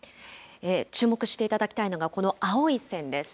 注目していただきたいのが、この青い線です。